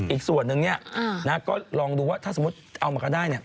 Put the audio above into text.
อีกส่วนนึงเนี่ยนะก็ลองดูว่าถ้าสมมุติเอามาก็ได้เนี่ย